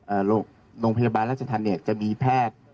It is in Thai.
อ่าโรงพยาบาลรัฐฐานเนี่ยจะมีแพทย์